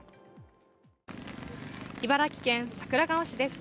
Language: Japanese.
茨城県桜川市です。